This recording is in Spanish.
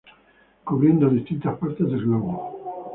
Cubriendo distintas partes del globo.